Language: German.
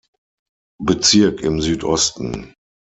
Bezirk im Südosten.